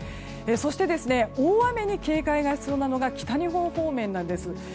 そして大雨に警戒が必要なのが北日本方面なんです。